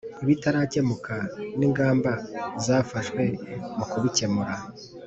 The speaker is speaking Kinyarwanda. ibitarakemuka ningamba zafashwe mu kubikemura